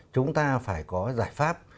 chúng ta phải có giải pháp